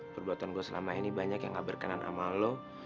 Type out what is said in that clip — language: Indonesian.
perbuatan gue selama ini banyak yang gak berkenan sama lo